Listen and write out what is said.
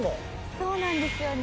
そうなんですよね。